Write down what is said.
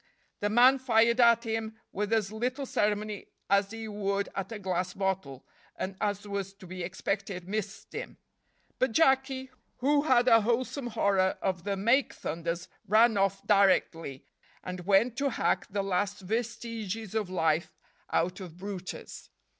The man fired at him with as little ceremony as he would at a glass bottle, and, as was to be expected, missed him; but Jacky, who had a wholesome horror of the make thunders, ran off directly, and went to hack the last vestiges of life out of brutus.